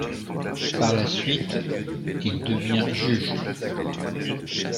Par la suite, il devient juge.